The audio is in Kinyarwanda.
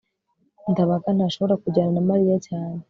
ndabaga ntashobora kujyana na mariya cyane